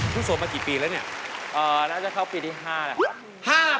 โสดมากี่ปีแล้วเนี่ยน่าจะเข้าปีที่๕แล้วครับ